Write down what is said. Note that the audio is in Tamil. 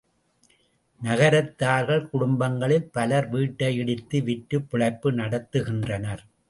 நகரத்தார்கள் குடும்பங்களில் பலர் வீட்டை இடித்து விற்றுப் பிழைப்பு நடத்துகின்றனர்.